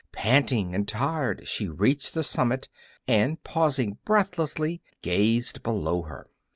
Panting and tired she reached the summit, and, pausing breathlessly, gazed below her.